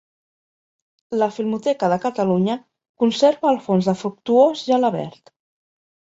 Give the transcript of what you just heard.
La Filmoteca de Catalunya conserva el fons de Fructuós Gelabert.